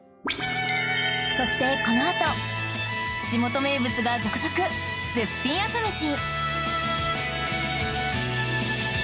そしてこのあと地元名物が続々絶品朝メシ